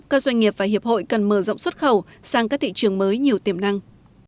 các doanh nghiệp và hiệp hội cần mở rộng xuất khẩu sang các thị trường mới nhiều tiềm năng